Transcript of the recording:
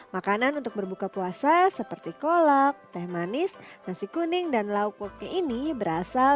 makanan untuk berbuka puasa seperti kolak teh manis nasi kuning dan lauk woknya ini berasal